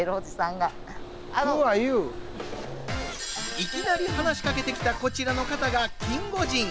いきなり話し掛けてきたこちらの方がキンゴジン。